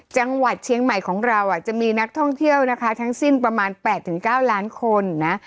จังหวัดเชียงใหม่ของเราจะมีนักท่องเที่ยวนะคะทั้งสิ้นประมาณ๘๙ล้านคนนะ